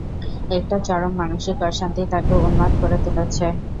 একটা চরম মানসিক অশান্তি তাকে উন্মাদ করে তুলেছে।